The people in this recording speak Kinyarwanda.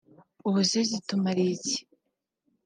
ubuse zitumariye iki